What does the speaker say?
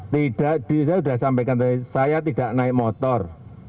tidak di saya sudah sampaikan tadi saya tidak naik motor